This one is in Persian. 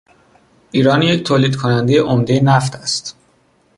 ایران یک تولید کنندهی عمدهی نفت است.